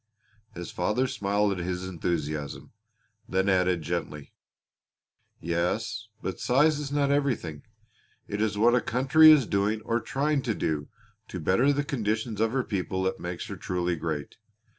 His father smiled at his enthusiasm, then added gently: "Yes, but size is not everything. It is what a country is doing, or trying to do, to better the conditions of her people that makes her truly great.